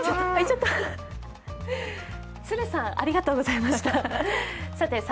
都留さん、ありがとうございました。